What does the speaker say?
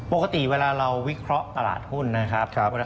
ปกติเวลาเราวิเคราะห์ตลาดหุ้นนะครับ